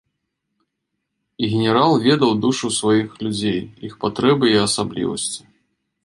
Генерал ведаў душу сваіх людзей, іх патрэбы і асаблівасці.